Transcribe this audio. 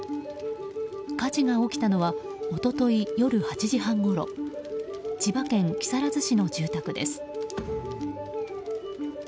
火事が起きたのは一昨日、夜８時半ごろ千葉県木更津市の住宅です。